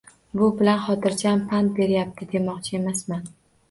Bu bilan xotiram pand beryapti demoqchi emasman.